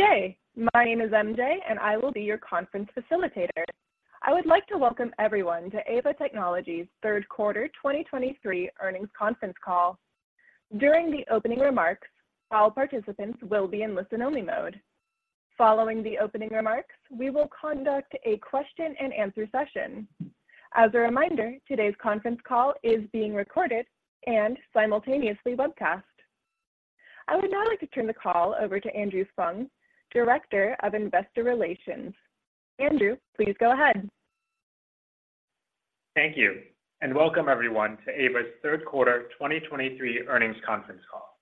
Good day. My name is MJ, and I will be your conference facilitator. I would like to welcome everyone to Aeva Technologies' third quarter 2023 earnings conference call. During the opening remarks, all participants will be in listen-only mode. Following the opening remarks, we will conduct a question-and-answer session. As a reminder, today's conference call is being recorded and simultaneously webcast. I would now like to turn the call over to Andrew Fung, Director of Investor Relations. Andrew, please go ahead. Thank you, and welcome everyone to Aeva's third quarter 2023 earnings conference call.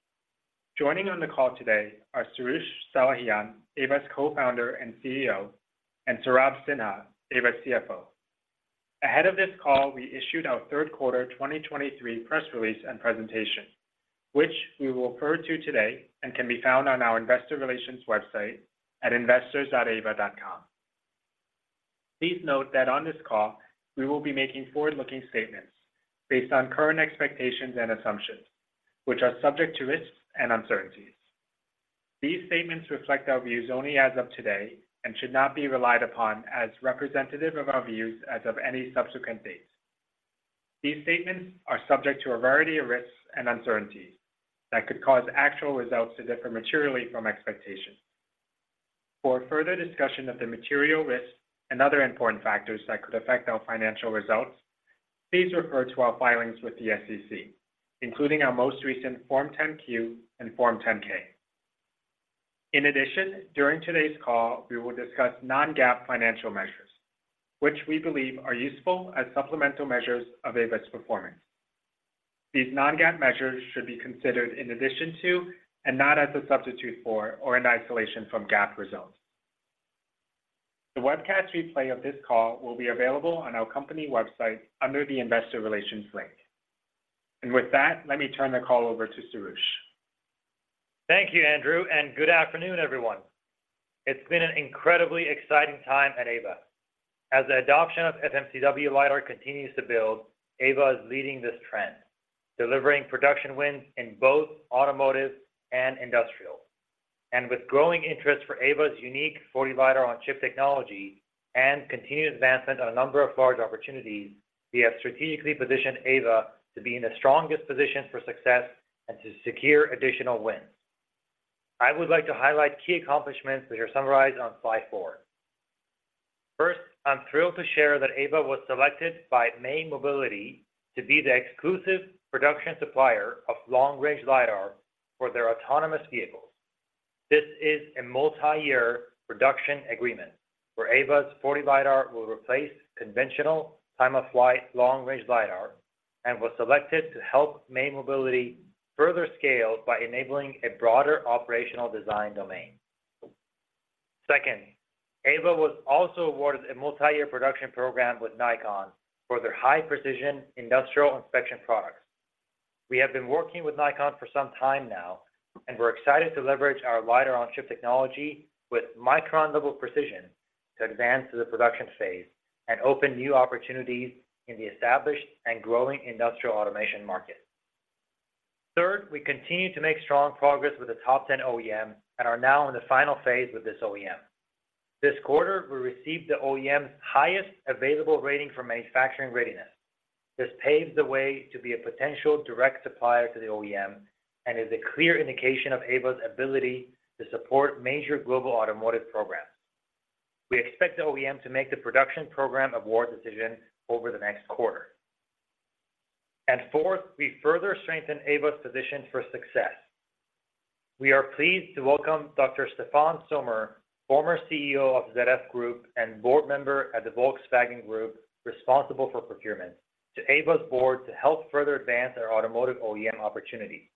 Joining on the call today are Soroush Salehian, Aeva's Co-founder and CEO, and Saurabh Sinha, Aeva's CFO. Ahead of this call, we issued our third quarter 2023 press release and presentation, which we will refer to today and can be found on our investor relations website at investors.aeva.com. Please note that on this call, we will be making forward-looking statements based on current expectations and assumptions, which are subject to risks and uncertainties. These statements reflect our views only as of today and should not be relied upon as representative of our views as of any subsequent dates. These statements are subject to a variety of risks and uncertainties that could cause actual results to differ materially from expectations. For a further discussion of the material risks and other important factors that could affect our financial results, please refer to our filings with the SEC, including our most recent Form 10-Q and Form 10-K. In addition, during today's call, we will discuss non-GAAP financial measures, which we believe are useful as supplemental measures of Aeva's performance. These non-GAAP measures should be considered in addition to and not as a substitute for or in isolation from GAAP results. The webcast replay of this call will be available on our company website under the Investor Relations link. With that, let me turn the call over to Soroush. Thank you, Andrew, and good afternoon, everyone. It's been an incredibly exciting time at Aeva. As the adoption of FMCW LiDAR continues to build, Aeva is leading this trend, delivering production wins in both automotive and industrial. With growing interest for Aeva's unique 4D LiDAR-on-chip technology and continued advancement on a number of large opportunities, we have strategically positioned Aeva to be in the strongest position for success and to secure additional wins. I would like to highlight key accomplishments which are summarized on slide four. First, I'm thrilled to share that Aeva was selected by May Mobility to be the exclusive production supplier of long-range LiDAR for their autonomous vehicles. This is a multi-year production agreement, where Aeva's 4D LiDAR will replace conventional time-of-flight long-range LiDAR, and was selected to help May Mobility further scale by enabling a broader operational design domain. Second, Aeva was also awarded a multi-year production program with Nikon for their high-precision industrial inspection products. We have been working with Nikon for some time now, and we're excited to leverage our LiDAR-on-chip technology with micron-level precision to advance to the production phase and open new opportunities in the established and growing industrial automation market. Third, we continue to make strong progress with the top 10 OEM and are now in the final phase with this OEM. This quarter, we received the OEM's highest available rating for manufacturing readiness. This paves the way to be a potential direct supplier to the OEM and is a clear indication of Aeva's ability to support major global automotive programs. We expect the OEM to make the production program award decision over the next quarter. And fourth, we further strengthen Aeva's position for success. We are pleased to welcome Dr. Stefan Sommer, former CEO of ZF Group and board member at the Volkswagen Group, responsible for procurement, to Aeva's board to help further advance our automotive OEM opportunity.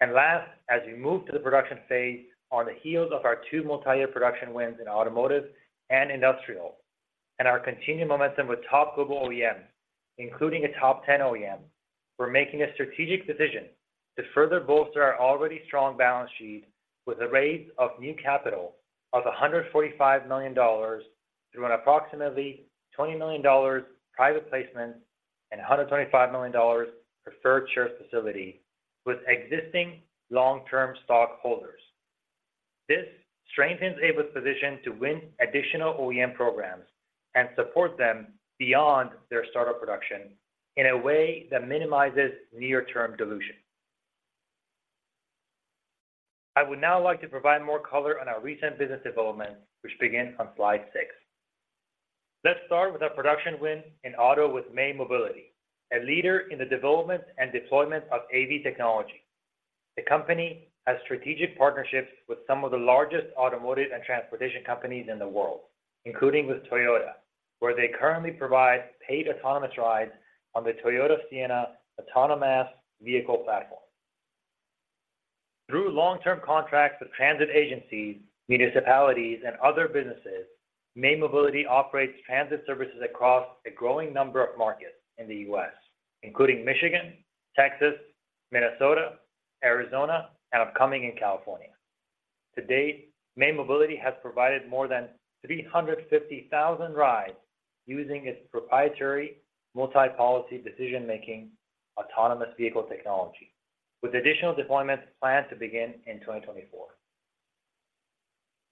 And last, as we move to the production phase, on the heels of our two multi-year production wins in automotive and industrial, and our continued momentum with top global OEMs, including a top ten OEM, we're making a strategic decision to further bolster our already strong balance sheet with a raise of new capital of $145 million through an approximately $20 million private placement and a $125 million preferred share facility with existing long-term stockholders. This strengthens Aeva's position to win additional OEM programs and support them beyond their startup production in a way that minimizes near-term dilution. I would now like to provide more color on our recent business developments, which begin on slide six. Let's start with our production win in auto with May Mobility, a leader in the development and deployment of AV technology. The company has strategic partnerships with some of the largest automotive and transportation companies in the world, including with Toyota, where they currently provide paid autonomous rides on the Toyota Sienna Autono-MaaS vehicle platform. Through long-term contracts with transit agencies, municipalities, and other businesses, May Mobility operates transit services across a growing number of markets in the U.S., including Michigan, Texas, Minnesota, Arizona, and upcoming in California. To date, May Mobility has provided more than 350,000 rides using its proprietary Multi-Policy Decision Making, autonomous vehicle technology, with additional deployments planned to begin in 2024.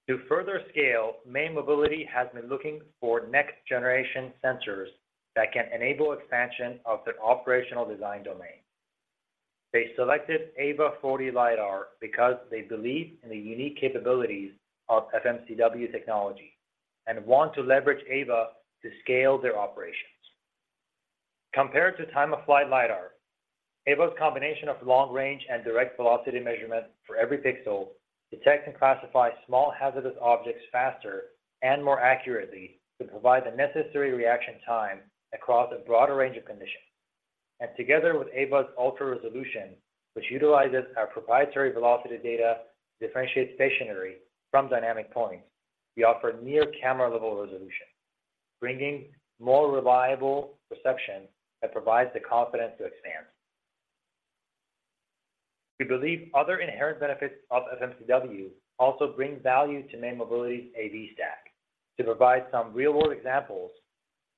To further scale, May Mobility has been looking for next-generation sensors that can enable expansion of their operational design domain. They selected Aeva's 4D LiDAR, because they believe in the unique capabilities of FMCW technology, and want to leverage Aeva to scale their operations. Compared to time-of-flight LiDAR, Aeva's combination of long range and direct velocity measurement for every pixel, detect and classify small, hazardous objects faster and more accurately to provide the necessary reaction time across a broader range of conditions. Together with Aeva's Ultra Resolution, which utilizes our proprietary velocity data, differentiates stationary from dynamic points, we offer near camera-level resolution, bringing more reliable perception that provides the confidence to expand. We believe other inherent benefits of FMCW also bring value to May Mobility's AV stack. To provide some real-world examples,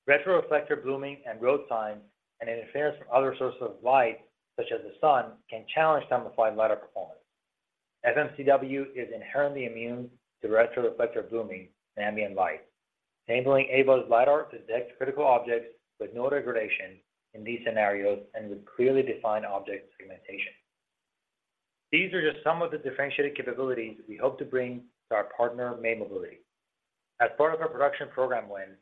retroreflector blooming and road signs, and interference from other sources of light, such as the sun, can challenge time-of-flight LiDAR performance. FMCW is inherently immune to retroreflector blooming and ambient light, enabling Aeva's LiDAR to detect critical objects with no degradation in these scenarios and with clearly defined object segmentation. These are just some of the differentiating capabilities we hope to bring to our partner, May Mobility. As part of our production program win,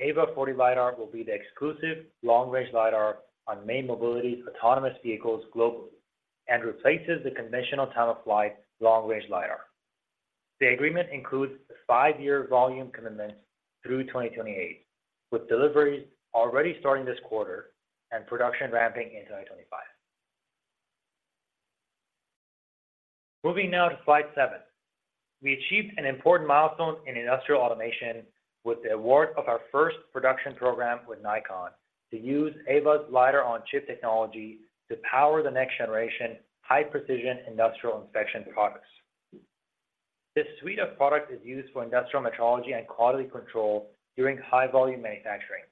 Aeva 4D LiDAR will be the exclusive long-range LiDAR on May Mobility's autonomous vehicles globally, and replaces the conventional time-of-flight long-range LiDAR. The agreement includes a five-year volume commitment through 2028, with deliveries already starting this quarter and production ramping in 2025. Moving now to slide seven. We achieved an important milestone in industrial automation with the award of our first production program with Nikon to use Aeva's LiDAR-on-chip technology to power the next-generation, high-precision industrial inspection products. This suite of products is used for industrial metrology and quality control during high-volume manufacturing,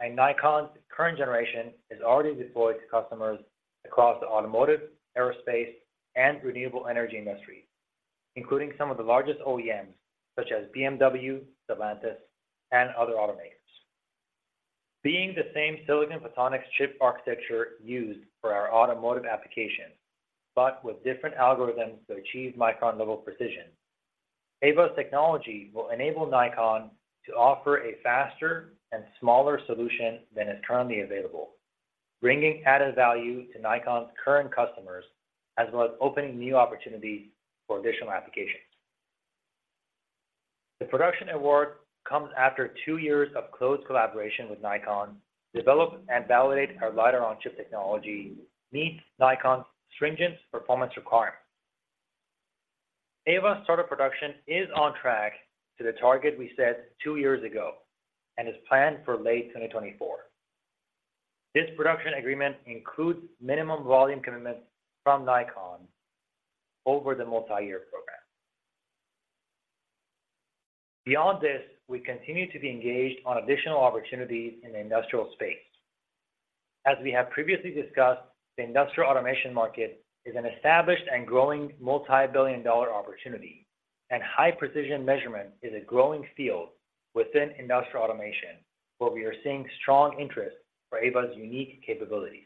and Nikon's current generation is already deployed to customers across the automotive, aerospace, and renewable energy industries, including some of the largest OEMs, such as BMW, Stellantis, and other automakers. Being the same silicon photonics chip architecture used for our automotive applications, but with different algorithms to achieve micron-level precision, Aeva's technology will enable Nikon to offer a faster and smaller solution than is currently available, bringing added value to Nikon's current customers, as well as opening new opportunities for additional applications. The production award comes after two years of close collaboration with Nikon to develop and validate our LiDAR-on-chip technology that meets Nikon's stringent performance requirements. Aeva's start of production is on track to the target we set two years ago and is planned for late 2024. This production agreement includes minimum volume commitments from Nikon over the multi-year program. Beyond this, we continue to be engaged on additional opportunities in the industrial space. As we have previously discussed, the industrial automation market is an established and growing multi-billion-dollar opportunity, and high-precision measurement is a growing field within industrial automation, where we are seeing strong interest for Aeva's unique capabilities.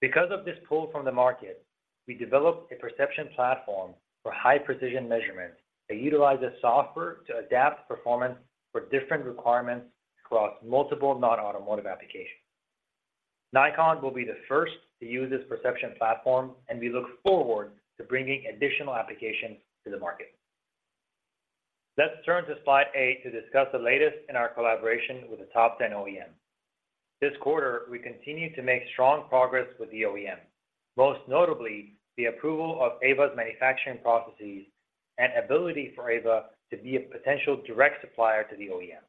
Because of this pull from the market, we developed a perception platform for high-precision measurement that utilizes software to adapt performance for different requirements across multiple non-automotive applications. Nikon will be the first to use this perception platform, and we look forward to bringing additional applications to the market. Let's turn to slide 8 to discuss the latest in our collaboration with the top 10 OEM. This quarter, we continued to make strong progress with the OEM. Most notably, the approval of Aeva's manufacturing processes and ability for Aeva to be a potential direct supplier to the OEM.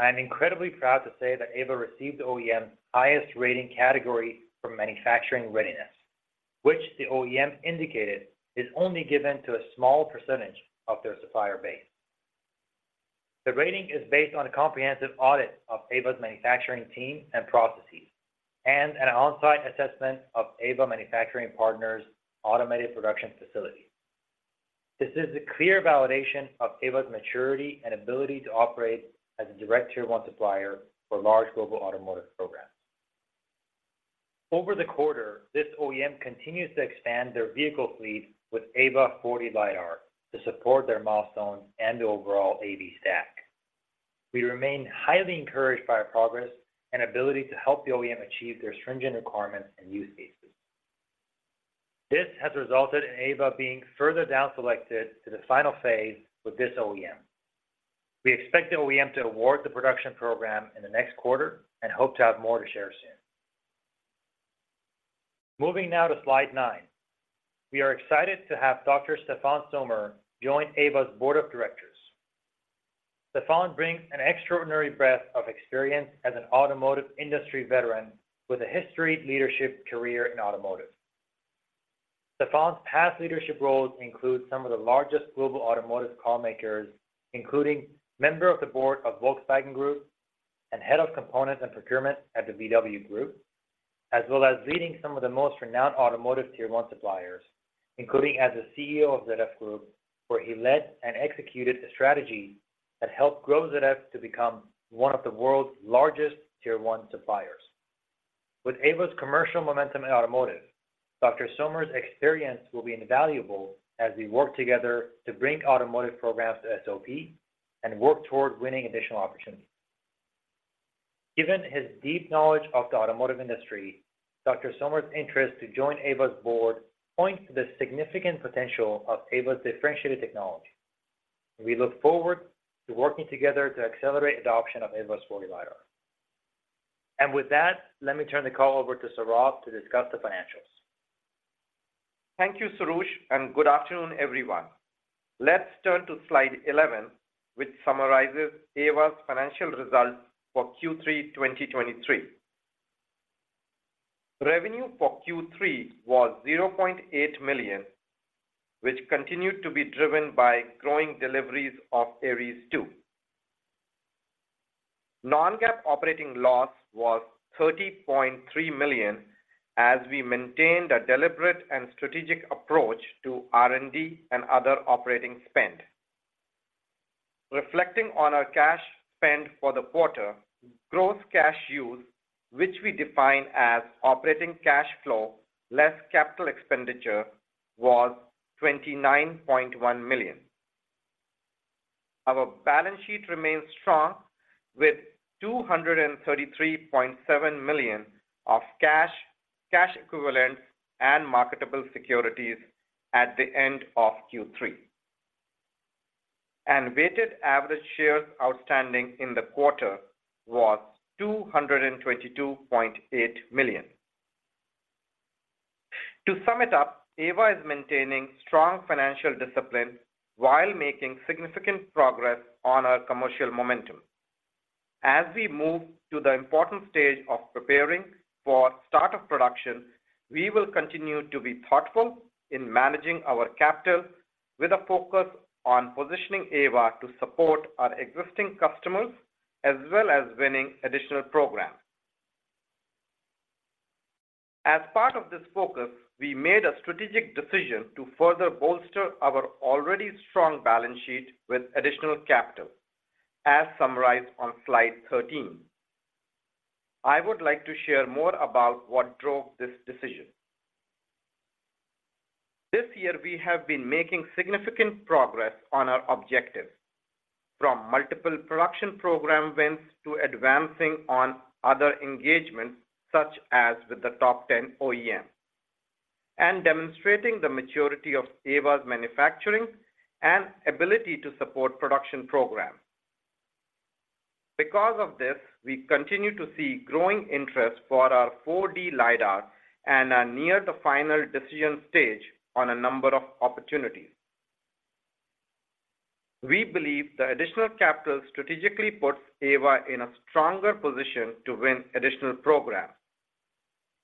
I am incredibly proud to say that Aeva received the OEM's highest rating category for manufacturing readiness, which the OEM indicated is only given to a small percentage of their supplier base. The rating is based on a comprehensive audit of Aeva's manufacturing team and processes, and an on-site assessment of Aeva manufacturing partners' automated production facility. This is a clear validation of Aeva's maturity and ability to operate as a direct Tier 1 supplier for large global automotive programs. Over the quarter, this OEM continues to expand their vehicle fleet with Aeva 4D LiDAR to support their milestones and overall AV stack. We remain highly encouraged by our progress and ability to help the OEM achieve their stringent requirements and use cases. This has resulted in Aeva being further down-selected to the final phase with this OEM. We expect the OEM to award the production program in the next quarter and hope to have more to share soon. Moving now to slide nine. We are excited to have Dr. Stefan Sommer join Aeva's Board of Directors. Stefan brings an extraordinary breadth of experience as an automotive industry veteran with a history leadership career in automotive.... Stefan's past leadership roles include some of the largest global automotive car makers, including Member of the Board of Volkswagen Group and Head of Components and Procurement at the VW Group, as well as leading some of the most renowned automotive Tier 1 suppliers, including as the CEO of the ZF Group, where he led and executed a strategy that helped grow ZF to become one of the world's largest Tier 1 suppliers. With Aeva's commercial momentum in automotive, Dr. Sommer's experience will be invaluable as we work together to bring automotive programs to SOP and work toward winning additional opportunities. Given his deep knowledge of the automotive industry, Dr. Sommer's interest to join Aeva's board points to the significant potential of Aeva's differentiated technology. We look forward to working together to accelerate adoption of Aeva's 4D LiDAR. With that, let me turn the call over to Saurabh to discuss the financials. Thank you, Soroush, and good afternoon, everyone. Let's turn to slide 11, which summarizes Aeva's financial results for Q3 2023. Revenue for Q3 was $0.8 million, which continued to be driven by growing deliveries of Aeries II. Non-GAAP operating loss was $30.3 million, as we maintained a deliberate and strategic approach to R&D and other operating spend. Reflecting on our cash spend for the quarter, gross cash use, which we define as operating cash flow less capital expenditure, was $29.1 million. Our balance sheet remains strong, with $233.7 million of cash, cash equivalents, and marketable securities at the end of Q3. And weighted average shares outstanding in the quarter was 222.8 million. To sum it up, Aeva is maintaining strong financial discipline while making significant progress on our commercial momentum. As we move to the important stage of preparing for start of production, we will continue to be thoughtful in managing our capital with a focus on positioning Aeva to support our existing customers, as well as winning additional programs. As part of this focus, we made a strategic decision to further bolster our already strong balance sheet with additional capital, as summarized on slide 13. I would like to share more about what drove this decision. This year, we have been making significant progress on our objectives, from multiple production program wins to advancing on other engagements, such as with the top 10 OEM, and demonstrating the maturity of Aeva's manufacturing and ability to support production programs. Because of this, we continue to see growing interest for our 4D LiDAR and are near the final decision stage on a number of opportunities. We believe the additional capital strategically puts Aeva in a stronger position to win additional programs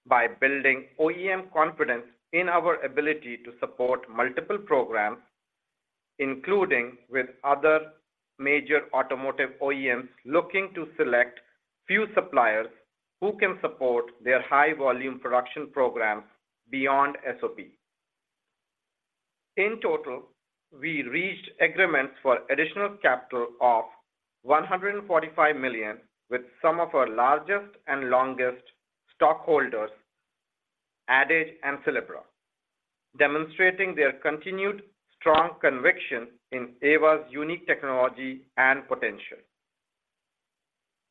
by building OEM confidence in our ability to support multiple programs, including with other major automotive OEMs looking to select few suppliers who can support their high volume production programs beyond SOP. In total, we reached agreements for additional capital of $145 million with some of our largest and longest stockholders, Adage and Sylebra, demonstrating their continued strong conviction in Aeva's unique technology and potential.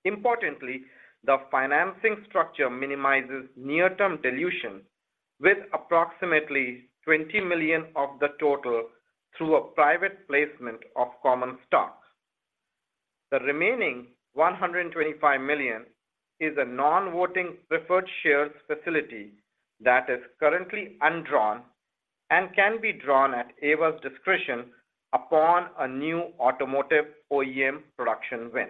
Importantly, the financing structure minimizes near-term dilution with approximately $20 million of the total through a private placement of common stocks. The remaining $125 million is a non-voting preferred shares facility that is currently undrawn and can be drawn at Aeva's discretion upon a new automotive OEM production win.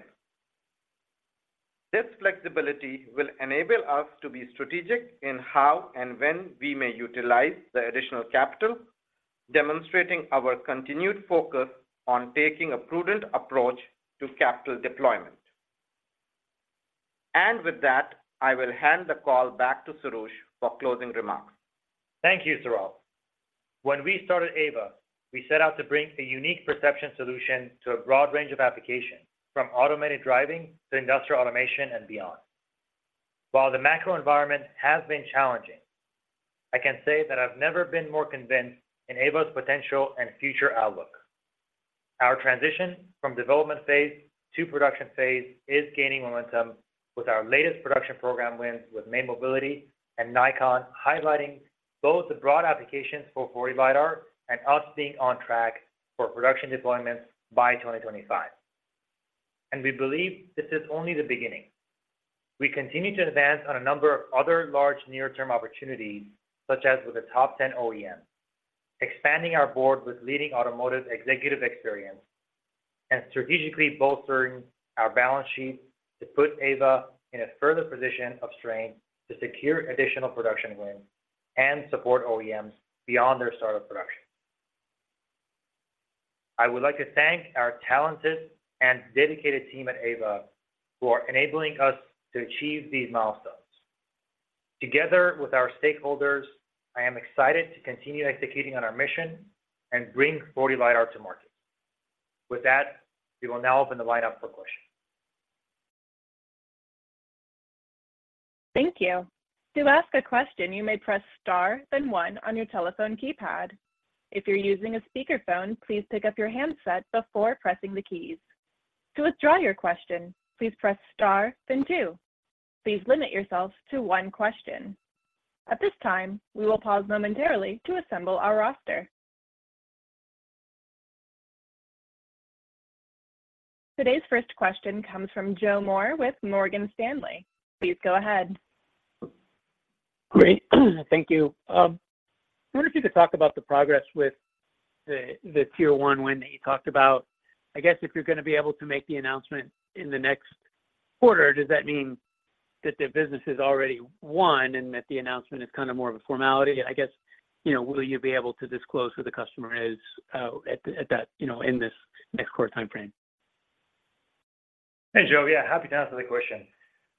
This flexibility will enable us to be strategic in how and when we may utilize the additional capital, demonstrating our continued focus on taking a prudent approach to capital deployment. With that, I will hand the call back to Soroush for closing remarks. Thank you, Saurabh. When we started Aeva, we set out to bring a unique perception solution to a broad range of applications, from automated driving to industrial automation and beyond. While the macro environment has been challenging, I can say that I've never been more convinced in Aeva's potential and future outlook. Our transition from development phase to production phase is gaining momentum with our latest production program wins with May Mobility and Nikon, highlighting both the broad applications for 4D LiDAR and us being on track for production deployments by 2025. And we believe this is only the beginning. We continue to advance on a number of other large near-term opportunities, such as with the top 10 OEM, expanding our board with leading automotive executive experience... strategically bolstering our balance sheet to put Aeva in a further position of strength to secure additional production wins and support OEMs beyond their start of production. I would like to thank our talented and dedicated team at Aeva for enabling us to achieve these milestones. Together with our stakeholders, I am excited to continue executing on our mission and bring 4D LiDAR to market. With that, we will now open the line up for questions. Thank you. To ask a question, you may press star, then one on your telephone keypad. If you're using a speakerphone, please pick up your handset before pressing the keys. To withdraw your question, please press star then two. Please limit yourself to one question. At this time, we will pause momentarily to assemble our roster. Today's first question comes from Joe Moore with Morgan Stanley. Please go ahead. Great, thank you. I wonder if you could talk about the progress with the Tier 1 win that you talked about. I guess if you're gonna be able to make the announcement in the next quarter, does that mean that the business is already won and that the announcement is kind of more of a formality? I guess, you know, will you be able to disclose who the customer is at that, you know, in this next quarter time frame? Hey, Joe. Yeah, happy to answer the question.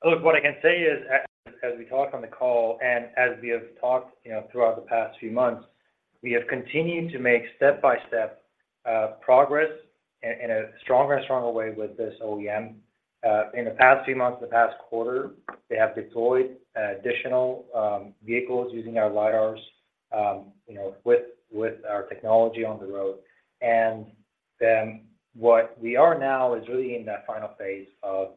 Look, what I can say is, as we talked on the call and as we have talked, you know, throughout the past few months, we have continued to make step-by-step progress in a stronger and stronger way with this OEM. In the past few months, the past quarter, they have deployed additional vehicles using our LiDARs, you know, with our technology on the road. And then what we are now is really in that final phase of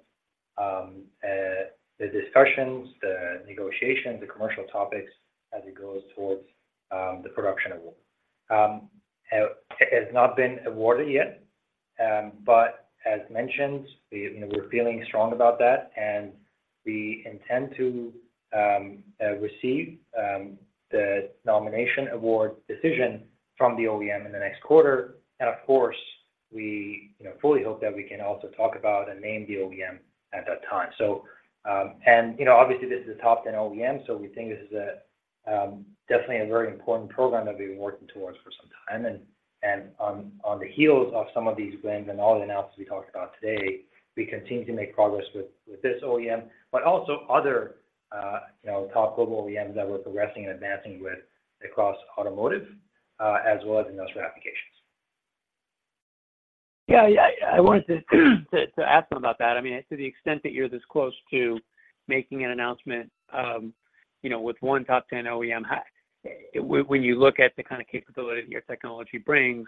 the discussions, the negotiations, the commercial topics as it goes towards the production award. It has not been awarded yet, but as mentioned, we, you know, we're feeling strong about that, and we intend to receive the nomination award decision from the OEM in the next quarter. Of course, we, you know, fully hope that we can also talk about and name the OEM at that time. So, and you know, obviously, this is a top 10 OEM, so we think this is a definitely a very important program that we've been working towards for some time. And on the heels of some of these wins and all the announcements we talked about today, we continue to make progress with this OEM, but also other, you know, top global OEMs that we're progressing and advancing with across automotive, as well as industrial applications. Yeah, yeah. I wanted to ask them about that. I mean, to the extent that you're this close to making an announcement, you know, with one top ten OEM, when you look at the kind of capability that your technology brings,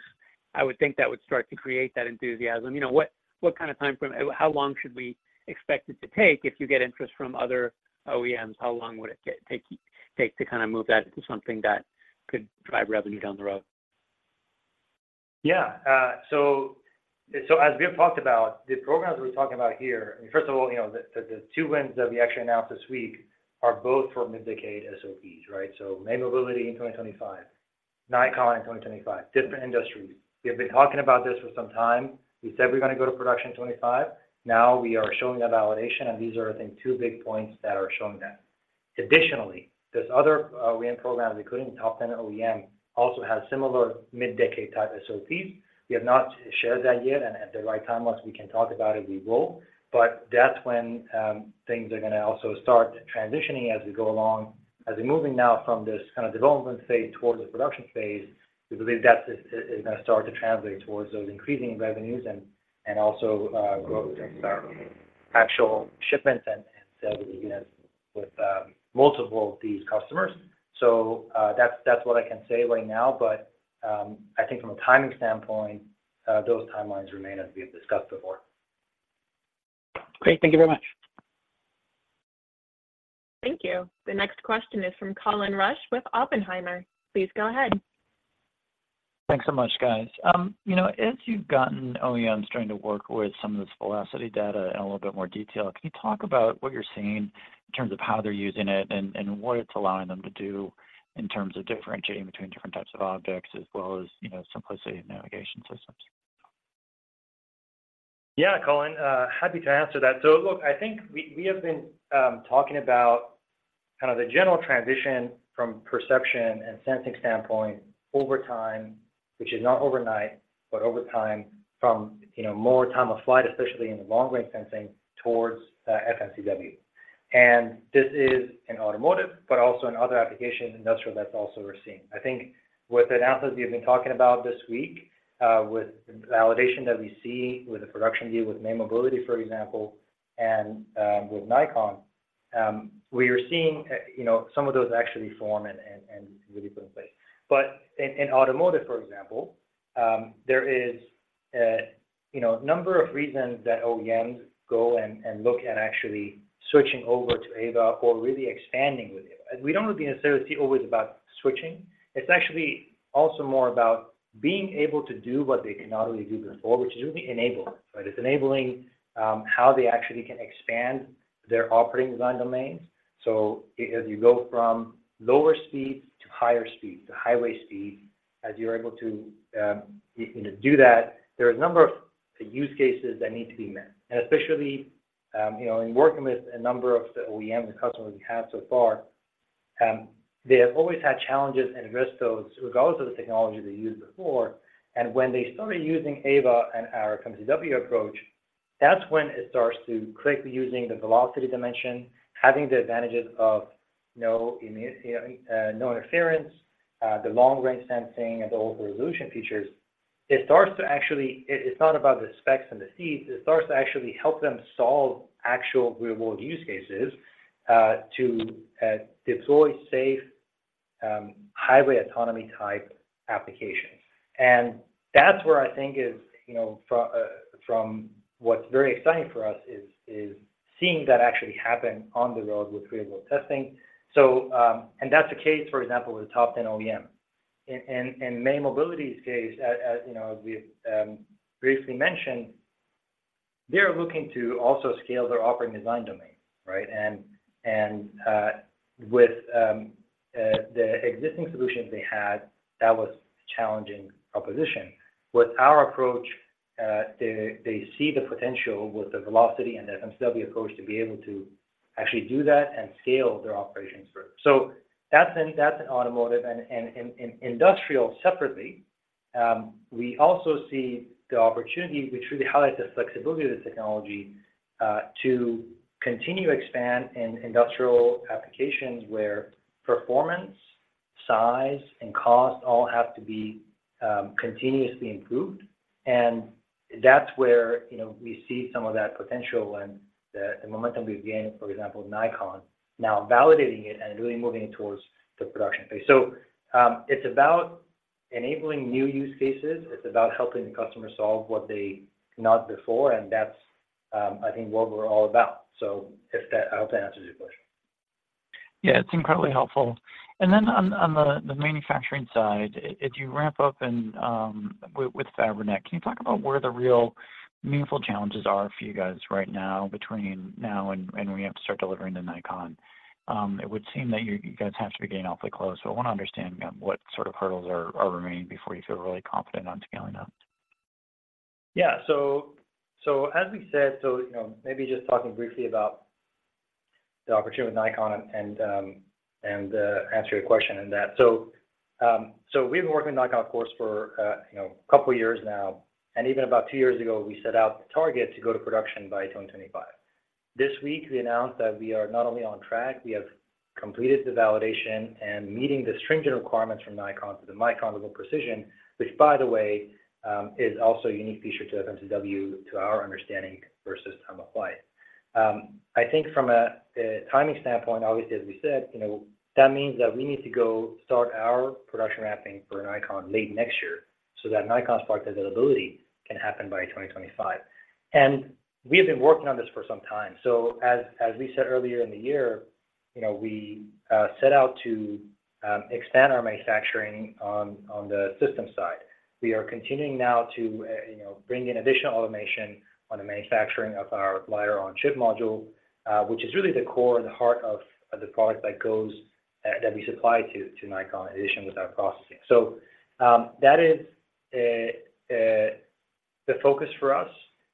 I would think that would start to create that enthusiasm. You know, what kind of time frame? How long should we expect it to take if you get interest from other OEMs, how long would it take to kind of move that into something that could drive revenue down the road? Yeah, so, so as we have talked about, the programs we're talking about here, first of all, you know, the two wins that we actually announced this week are both for mid-decade SOPs, right? So May Mobility in 2025, Nikon in 2025, different industries. We have been talking about this for some time. We said we're gonna go to production in 2025. Now we are showing that validation, and these are, I think, two big points that are showing that. Additionally, this other win program, including top 10 OEM, also has similar mid-decade type SOPs. We have not shared that yet, and at the right time, once we can talk about it, we will. But that's when, things are gonna also start transitioning as we go along. As we're moving now from this kind of development phase towards the production phase, we believe that is gonna start to translate towards those increasing revenues and also growth in our actual shipments and sales with multiple of these customers. So, that's what I can say right now, but I think from a timing standpoint, those timelines remain as we have discussed before. Great. Thank you very much. Thank you. The next question is from Colin Rusch with Oppenheimer. Please go ahead. Thanks so much, guys. You know, as you've gotten OEMs starting to work with some of this velocity data in a little bit more detail, can you talk about what you're seeing in terms of how they're using it and, and what it's allowing them to do in terms of differentiating between different types of objects as well as, you know, simplicity of navigation systems? Yeah, Colin, happy to answer that. So look, I think we, we have been talking about kind of the general transition from perception and sensing standpoint over time, which is not overnight, but over time from, you know, more time of flight, especially in the long-range sensing towards FMCW. And this is in automotive, but also in other application industrial that's also we're seeing. I think with the announcements we have been talking about this week, with the validation that we see with the production deal, with May Mobility, for example, and with Nikon, we are seeing, you know, some of those actually form and really put in place. But in automotive, for example, there is a, you know, number of reasons that OEMs go and look at actually switching over to Aeva or really expanding with Aeva. We don't want to be necessarily always about switching. It's actually also more about being able to do what they could not really do before, which is really enabling, right? It's enabling, how they actually can expand their operational design domains... So as you go from lower speeds to higher speeds, to highway speeds, as you're able to, to do that, there are a number of use cases that need to be met. And especially, you know, in working with a number of the OEM and customers we have so far, they have always had challenges and risks, those regardless of the technology they used before. And when they started using Aeva and our FMCW approach, that's when it starts to quickly using the velocity dimension, having the advantages of no interference, the long-range sensing and the Ultra Resolution features. It starts to actually—it, it's not about the specs and the speeds. It starts to actually help them solve actual real-world use cases, to deploy safe highway autonomy-type applications. And that's where I think is, you know, from, from what's very exciting for us is seeing that actually happen on the road with real-world testing. So, and that's the case, for example, with top 10 OEM. And in May Mobility's case, as you know, as we've briefly mentioned, they are looking to also scale their operating design domain, right? And with the existing solutions they had, that was a challenging proposition. With our approach, they see the potential with the velocity and the FMCW approach to be able to actually do that and scale their operations further. So that's in automotive and in industrial separately, we also see the opportunity, which really highlights the flexibility of the technology, to continue to expand in industrial applications where performance, size, and cost all have to be continuously improved. And that's where, you know, we see some of that potential and the momentum we've gained, for example, Nikon, now validating it and really moving it towards the production phase. So, it's about enabling new use cases. It's about helping the customer solve what they could not before, and that's, I think, what we're all about. So if that, I hope that answers your question. Yeah, it's incredibly helpful. And then on the manufacturing side, as you wrap up and with Fabrinet, can you talk about where the real meaningful challenges are for you guys right now, between now and when you have to start delivering to Nikon? It would seem that you guys have to be getting awfully close, so I want to understand, you know, what sort of hurdles are remaining before you feel really confident on scaling up. Yeah. As we said, you know, maybe just talking briefly about the opportunity with Nikon and answer your question in that. We've been working with Nikon, of course, for, you know, a couple of years now, and even about two years ago, we set out the target to go to production by 2025. This week, we announced that we are not only on track, we have completed the validation and meeting the stringent requirements from Nikon to the Nikon level precision, which, by the way, is also a unique feature to FMCW, to our understanding versus time-of-flight. I think from a timing standpoint, obviously, as we said, you know, that means that we need to go start our production ramping for Nikon late next year, so that Nikon's product availability can happen by 2025. We have been working on this for some time. As we said earlier in the year, you know, we set out to expand our manufacturing on the system side. We are continuing now to you know bring in additional automation on the manufacturing of our LiDAR-on-chip module, which is really the core and the heart of the product that goes that we supply to Nikon in addition with our processing. That is the focus for us.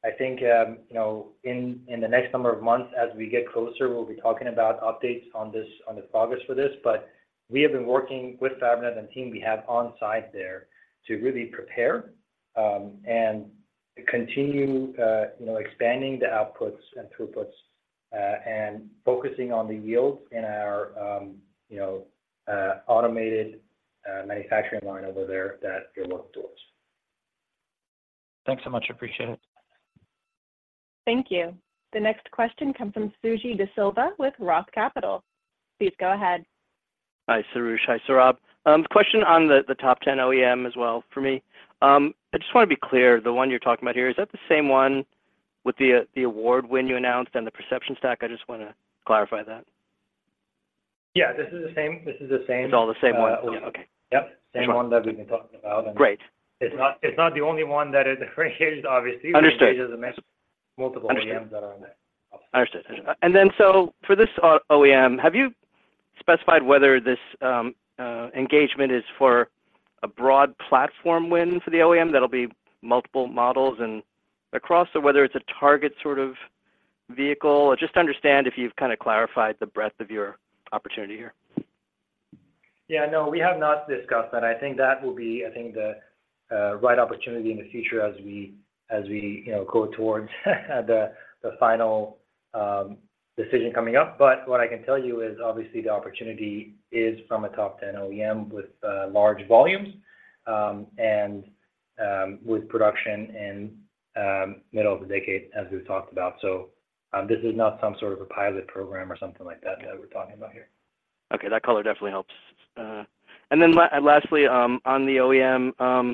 I think, you know, in the next number of months, as we get closer, we'll be talking about updates on this, on the progress for this. But we have been working with Fabrinet and team we have on site there to really prepare, and continue, you know, expanding the outputs and throughputs, and focusing on the yields in our, you know, automated, manufacturing line over there that we're looking towards. Thanks so much. Appreciate it. Thank you. The next question comes from Suji Desilva with ROTH Capital. Please go ahead. Hi, Soroush. Hi, Saurabh. Question on the top 10 OEM as well for me. I just want to be clear, the one you're talking about here, is that the same one with the award win you announced and the perception stack? I just want to clarify that. Yeah, this is the same, this is the same. It's all the same one. Okay. Yep. Sure. Same one that we've been talking about. Great. It's not, it's not the only one that is engaged, obviously. Understood. Multiple OEMs that are in there. Understood. Understood. And then so for this OEM, have you specified whether this engagement is for a broad platform win for the OEM that'll be multiple models and across or whether it's a target sort of vehicle? Just to understand if you've kind of clarified the breadth of your opportunity here. Yeah, no, we have not discussed that. I think that will be, I think, the right opportunity in the future as we, as we, you know, go towards the final decision coming up. But what I can tell you is obviously the opportunity is from a top 10 OEM with large volumes, and with production in middle of the decade, as we've talked about. So, this is not some sort of a pilot program or something like that, that we're talking about here. Okay. That color definitely helps. And then lastly, on the OEM,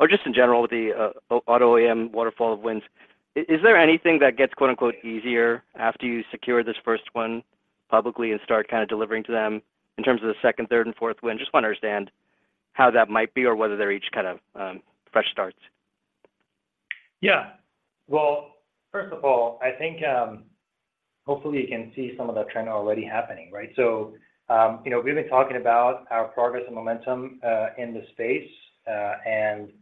or just in general with the auto OEM waterfall of wins, is there anything that gets, quote-unquote, "easier" after you secure this first one publicly and start kind of delivering to them in terms of the second, third, and fourth win? Just want to understand how that might be or whether they're each kind of fresh starts. Yeah. Well, first of all, I think, hopefully you can see some of the trend already happening, right? So, you know, we've been talking about our progress and momentum in the space, and,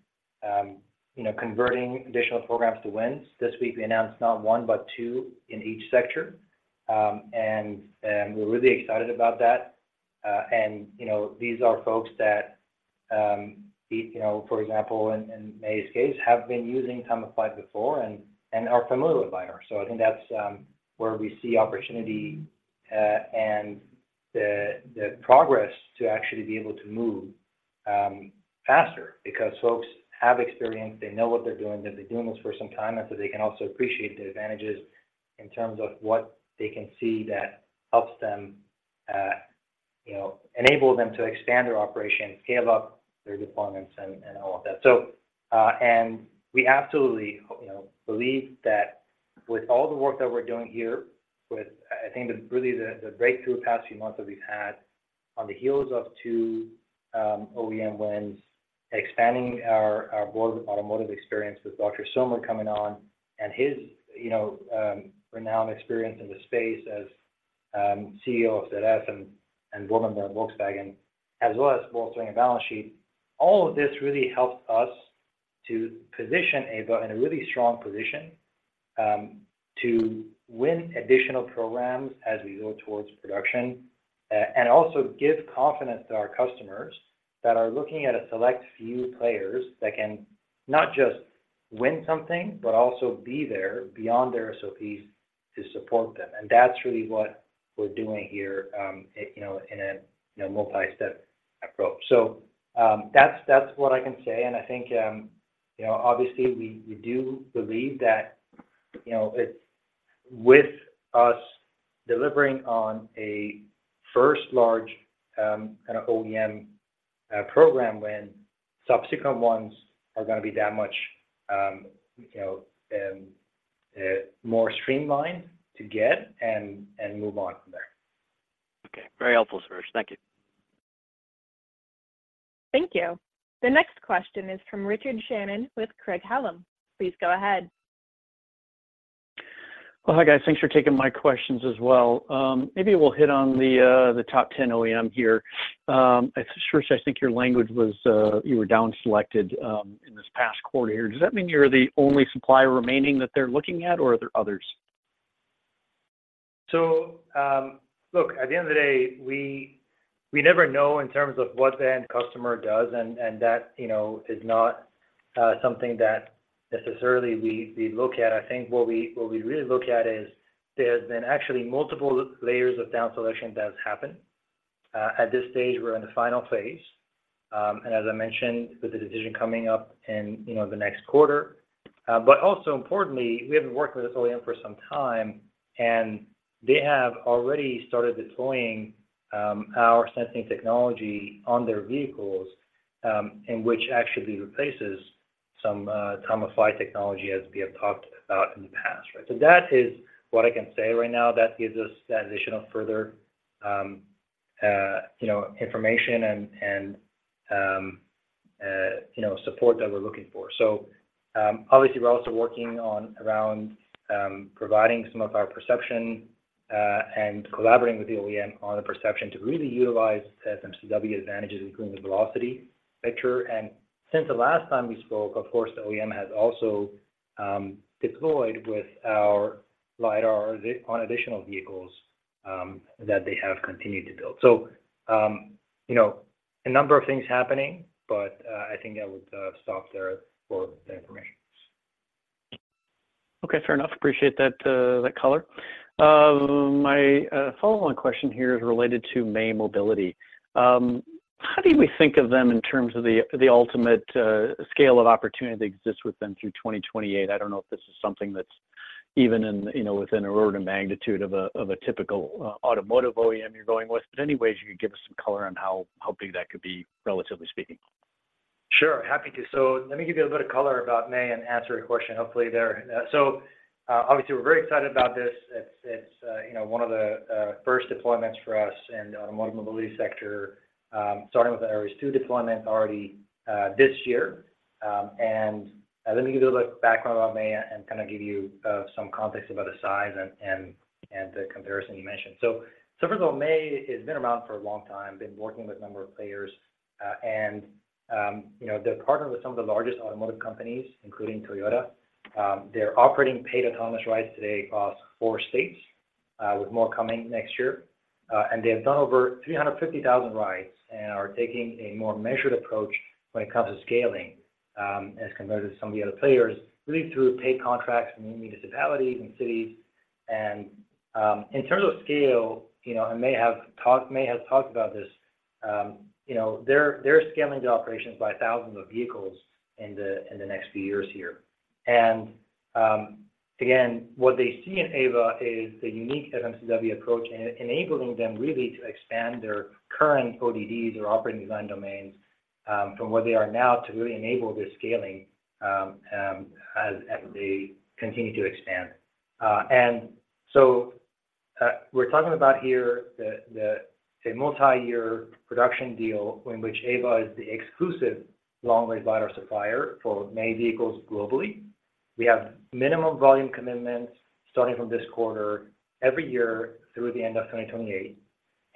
you know, converting additional programs to wins. This week, we announced not one, but two in each sector. And we're really excited about that. And, you know, these are folks that, you know, for example, in May's case, have been using time-of-flight before and are familiar with LiDAR. So I think that's where we see opportunity, and the progress to actually be able to move faster because folks have experience, they know what they're doing, they've been doing this for some time, and so they can also appreciate the advantages in terms of what they can see that helps them, you know, enable them to expand their operations, scale up their deployments, and all of that. So and we absolutely, you know, believe that with all the work that we're doing here, with, I think, really the breakthrough the past few months that we've had on the heels of two OEM wins, expanding our board with automotive experience with Dr. Sommer coming on, and his, you know, renowned experience in the space as CEO of ZF and Volkswagen, as well as bolstering a balance sheet. All of this really helps us to position Aeva in a really strong position to win additional programs as we go towards production, and also give confidence to our customers that are looking at a select few players that can not just win something, but also be there beyond their SOPs to support them. That's really what we're doing here, you know, in a multi-step approach. That's what I can say, and I think, you know, obviously, we do believe that with us delivering on a first large kind of OEM program win, subsequent ones are gonna be that much more streamlined to get and move on from there. Okay. Very helpful, Soroush. Thank you. Thank you. The next question is from Richard Shannon with Craig-Hallum. Please go ahead. Well, hi, guys. Thanks for taking my questions as well. Maybe we'll hit on the top 10 OEM here. Soroush, I think your language was, you were down selected in this past quarter here. Does that mean you're the only supplier remaining that they're looking at, or are there others? So, look, at the end of the day, we, we never know in terms of what the end customer does, and, and that, you know, is not something that necessarily we, we look at. I think what we, what we really look at is there's been actually multiple layers of down selection does happen. At this stage, we're in the final phase, and as I mentioned, with the decision coming up in, you know, the next quarter. But also importantly, we have been working with this OEM for some time, and they have already started deploying our sensing technology on their vehicles, and which actually replaces some time-of-flight technology as we have talked about in the past, right? So that is what I can say right now. That gives us that additional further, you know, information and, and, you know, support that we're looking for. So, obviously, we're also working on around providing some of our perception, and collaborating with the OEM on the perception to really utilize FMCW advantages, including the velocity picture. And since the last time we spoke, of course, the OEM has also deployed with our LiDAR on additional vehicles that they have continued to build. So, you know, a number of things happening, but, I think I would stop there for the information. Okay, fair enough. Appreciate that, that color. My follow-on question here is related to May Mobility. How do we think of them in terms of the, the ultimate, scale of opportunity that exists with them through 2028? I don't know if this is something that's even in, you know, within an order of magnitude of a, of a typical, automotive OEM you're going with, but anyways, you could give us some color on how, how big that could be, relatively speaking. Sure, happy to. So let me give you a bit of color about May and answer your question, hopefully there. So, obviously, we're very excited about this. It's, it's, you know, one of the first deployments for us in the automotive mobility sector, starting with our two deployment already, this year. And, let me give you a little background about May and kind of give you some context about the size and the comparison you mentioned. So, first of all, May has been around for a long time, been working with a number of players, and, you know, they're partnered with some of the largest automotive companies, including Toyota. They're operating paid autonomous rides today across four states, with more coming next year. They have done over 350,000 rides and are taking a more measured approach when it comes to scaling, as compared to some of the other players, really through paid contracts in municipalities and cities. In terms of scale, you know, May has talked about this, you know, they're scaling the operations by thousands of vehicles in the next few years here. Again, what they see in Aeva is the unique FMCW approach and enabling them really to expand their current ODDs or operating design domains, as they continue to expand. So, we're talking about here a multi-year production deal in which Aeva is the exclusive long-range LiDAR supplier for May vehicles globally. We have minimum volume commitments starting from this quarter, every year through the end of 2028.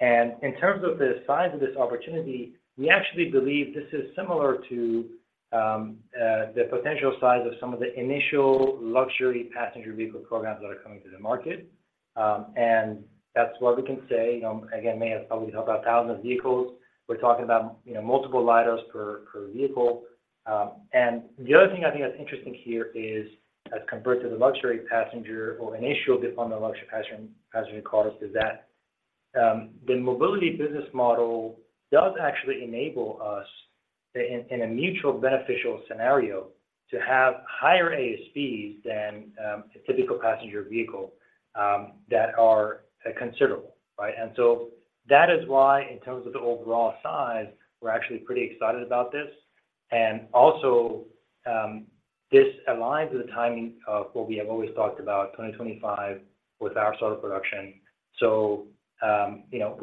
In terms of the size of this opportunity, we actually believe this is similar to the potential size of some of the initial luxury passenger vehicle programs that are coming to the market. And that's what we can say. Again, May have probably helped out thousands of vehicles. We're talking about, you know, multiple LiDARs per vehicle. And the other thing I think that's interesting here is, as compared to the luxury passenger or an initial deployment of luxury passenger, passenger cars, is that the mobility business model does actually enable us in a mutual beneficial scenario, to have higher ASPs than a typical passenger vehicle that are considerable, right? So that is why, in terms of the overall size, we're actually pretty excited about this. Also, this aligns with the timing of what we have always talked about, 2025 with our start of production. So, you know,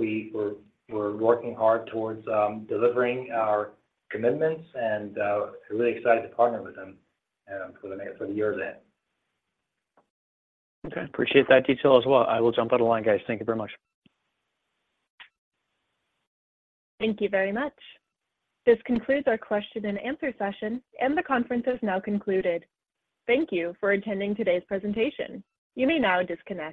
we're working hard towards delivering our commitments and, we're really excited to partner with them for the years ahead. Okay, appreciate that detail as well. I will jump out of line, guys. Thank you very much. Thank you very much. This concludes our question and answer session, and the conference is now concluded. Thank you for attending today's presentation. You may now disconnect.